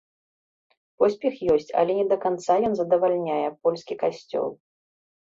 Поспех ёсць, але не да канца ён задавальняе польскі касцёл.